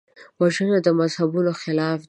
وژنه د مذهبونو خلاف ده